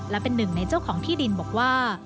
และเป็นหนึ่งในเจ้าของที่ดินบอกว่า